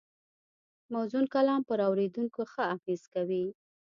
موزون کلام پر اورېدونکي ښه اغېز کوي